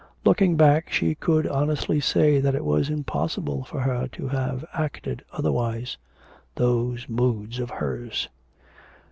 Looking back she could honestly say that it was impossible for her to have acted otherwise. Those moods of hers!